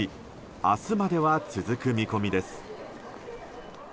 明日までは続く見込みです。